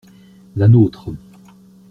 La nôtre.